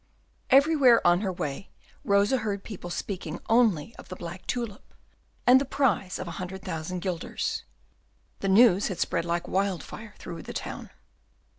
Everywhere on her way Rosa heard people speaking only of the black tulip, and the prize of a hundred thousand guilders. The news had spread like wildfire through the town.